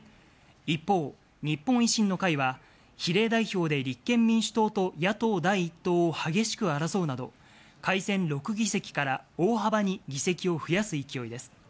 一方、日本維新の会は、比例代表で立憲民主党と野党第１党を激しく争うなど、改選６議席から、大幅に議席を増やす勢いです。